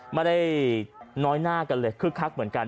ไม่ได้น้อยหน้ากันเลยคึกคักเหมือนกัน